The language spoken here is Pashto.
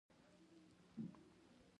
په نه خبره کنځل شروع کړي